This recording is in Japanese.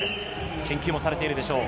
研究もされているでしょう。